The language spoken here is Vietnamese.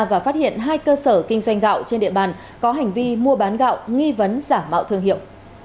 và phát hiện hai cơ sở kinh doanh gạo trên địa bàn có hành vi mua bán gạo nghi vấn giả mạo thương hiệu